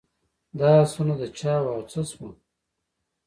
دا آسونه د چا وه او څه سوه.